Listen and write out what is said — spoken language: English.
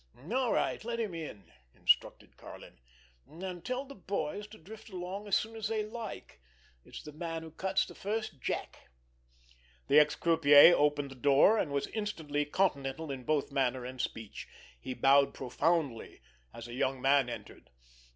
"All right, let him in," instructed Karlin. "And tell the boys to drift along as soon as they like. It's the man who cuts the first jack." The ex croupier opened the door, and was instantly continental in both manner and speech. He bowed profoundly, as a young man entered.